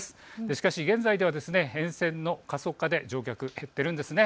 しかし現在では沿線地域の過疎化で乗客が減ってるんです。